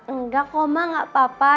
enggak koma gak papa